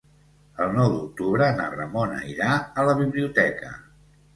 El nou d'octubre na Ramona irà a la biblioteca.